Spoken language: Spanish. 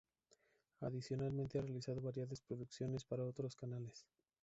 Adicionalmente ha realizado variadas producciones para otros canales.